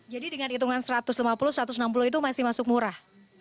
jadi dengan hitungan satu ratus lima puluh satu ratus enam puluh itu masih masuk murah